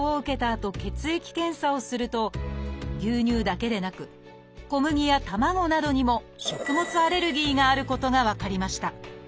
あと血液検査をすると牛乳だけでなく小麦や卵などにも食物アレルギーがあることが分かりました。